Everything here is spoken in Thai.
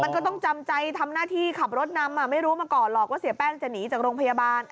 มันก็ต้องจำใจทำหน้าที่ขับรถนำไม่รู้มาก่อนหรอกว่าเสียแป้งจะหนีจากโรงพยาบาล